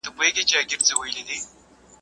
چي کوټې ته د خاوند سو ور دننه.